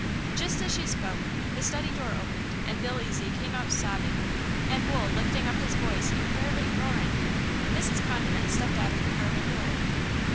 Just as she spoke the study door opened and Bill Ezy came out sobbing, and Wool lifting up his voice and fairly roaring. Mrs. Condiment stepped out of the parlor door.